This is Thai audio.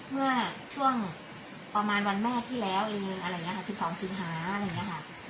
เมื่อช่วงประมาณวันแม่ที่แล้วเองอะไรอย่างนี้ค่ะ๑๒สิงหาอะไรอย่างนี้ค่ะ